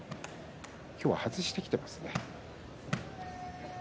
今日は外してきていますね。